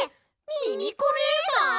ミミコねえさん！？